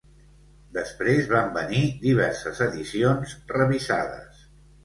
Després van venir diverses edicions revisades.